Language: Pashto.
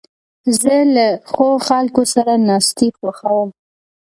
زه له ښو خلکو سره ناستې خوښوم.